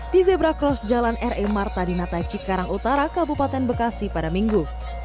di zebra cross jalan r e marta di natai cikarang utara kabupaten bekasi pada minggu